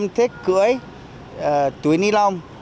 ông táo không thích cưới túi ni lông